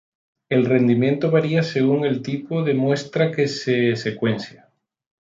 El rendimiento varía según el tipo de muestra que se secuencia.